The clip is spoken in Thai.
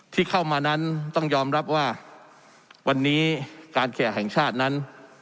ที่เข้ามานั้นต้องยอมรับว่าวันนี้การแขกแห่งชาตินั้น